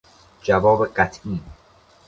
جواب قطعی